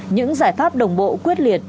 những giải pháp đồng bộ quyết định